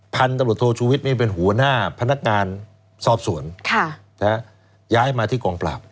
พันตบรวจโทรชูวิตนี่เป็นหัวหน้าพนักงานสอบสวนค่ะนะย้ายมาที่กองปราบ